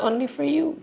bukan hanya untuk kamu